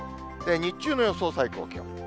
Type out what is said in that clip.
日中の予想最高気温。